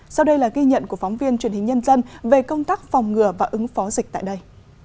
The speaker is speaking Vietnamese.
sau đây là ghi nhận của phóng viên truyền hình nhân dân về công tác phòng ngừa và ứng phó dịch tại đây